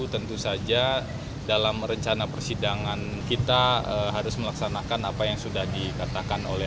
tentu saja dalam rencana persidangan kita harus melaksanakan apa yang sudah dikatakan oleh